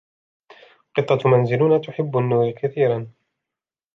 قطة منزلنا تحب النوري كثيرًا.